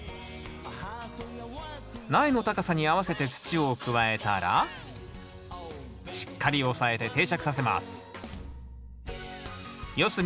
苗の高さに合わせて土を加えたらしっかり押さえて定着させます。